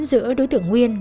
giữa đối tượng nguyên